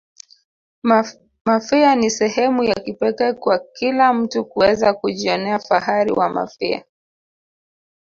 mafia ni sehemu ya kipekee kwa kila mtu kuweza kujionea fahari wa mafia